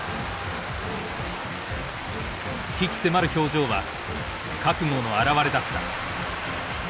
鬼気迫る表情は覚悟のあらわれだった。